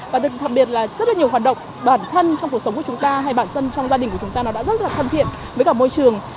và đặc biệt là rất là nhiều hoạt động bản thân trong cuộc sống của chúng ta hay bản thân trong gia đình của chúng ta nó đã rất là thân thiện với cả môi trường